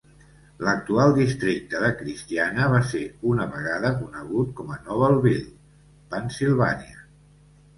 L'actual districte de Christiana va ser una vegada conegut com a Nobleville (Pennsilvània).